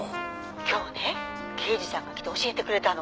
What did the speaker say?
「今日ね刑事さんが来て教えてくれたの」